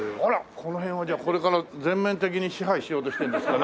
この辺をじゃあこれから全面的に支配しようとしてるんですかね。